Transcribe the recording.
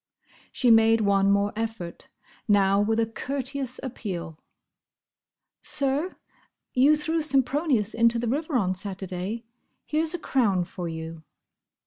She made one more effort: now with a courteous appeal. "Sir!—You threw Sempronius into the river on Saturday—here's a crown for you."